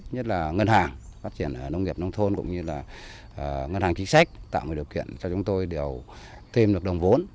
nhất là ngân hàng phát triển nông nghiệp nông thôn cũng như là ngân hàng chính sách tạo điều kiện cho chúng tôi đều thêm được đồng vốn